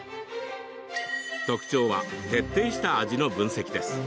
特徴は徹底した味の分析です。